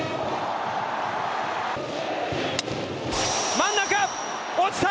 真ん中、落ちた！